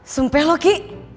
sumpah lo kiki